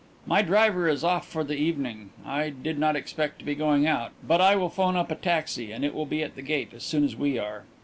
"My driver is off for the evening I did not expect to be going out but I will 'phone up a taxi and it will be at the gate as soon as we are."